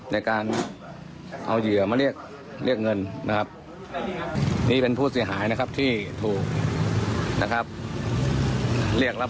ได้การเอาเหยื่อมาเรียกเรียกเงินนะครับ